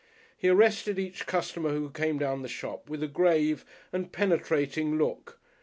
He arrested each customer who came down the shop with a grave and penetrating look.